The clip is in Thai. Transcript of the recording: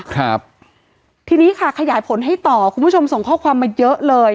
ครับทีนี้ค่ะขยายผลให้ต่อคุณผู้ชมส่งข้อความมาเยอะเลย